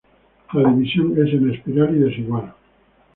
La división es en espiral y desigual.